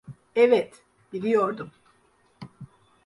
Evet, biliyordum.